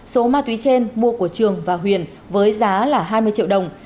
số ma túy trên mua của trường và huyền với giá là hai mươi triệu đồng